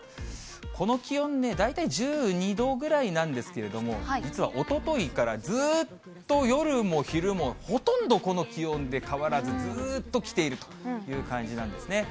この気温、大体１２度ぐらいなんですけれども、実はおとといからずーっと夜も昼もほとんどこの気温で変わらず、ずーっと来ているという感じなんですね。